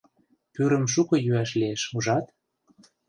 Пӱрым шуко йӱаш лиеш, ужат?